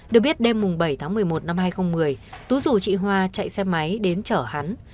được biết đêm bảy tháng một mươi một năm hai nghìn một mươi tú rủ chị hoa chạy xe máy đến chở hắn